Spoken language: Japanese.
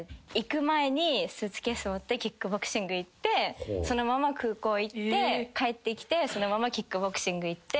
行く前にスーツケース持ってキックボクシング行ってそのまま空港行って帰ってきてそのままキックボクシング行って。